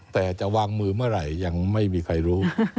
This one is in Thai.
แต่จะวางมือเมื่อไหร่ยังไม่มีใครรู้